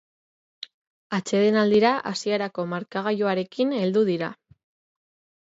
Atsedenaldira hasierako markagailuarekin heldu dira.